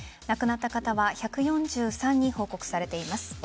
亡くなった方は１４３人報告されています。